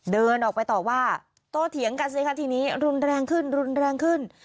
เดินออกไปต่อว่าโตเถียงกันสิคะทีนี้รุนแรงขึ้นรุนแรงขึ้น